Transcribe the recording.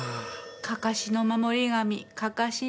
かかしの守り神かかし